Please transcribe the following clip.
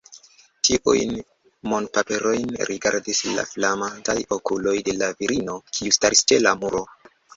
Tiujn monpaperojn rigardis la flamantaj okuloj de la virino, kiu staris ĉe la muro.